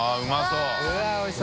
うわぁおいしそう。